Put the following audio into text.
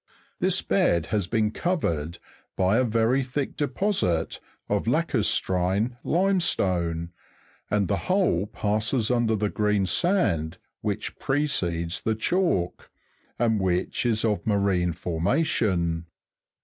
This bed has been covered by a very thick deposit of lacus'trine limestone, and the whole passes under the green sand which precedes the chalk, and which is of marine for mation.